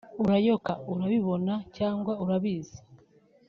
Urayoka(urabibona cg urabizi)